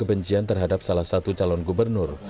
kebencian terhadap salah satu calon gubernur